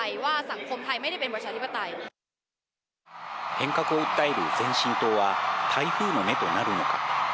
変革を訴える前進党は、台風の目となるのか。